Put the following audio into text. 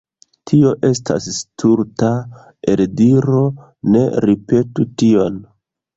Tio estas stulta eldiro, ne ripetu tion.